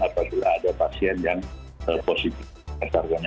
apabila ada pasien yang positif